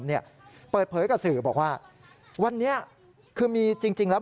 เปิดเผยกับสื่อบอกว่าวันนี้คือมีจริงแล้ว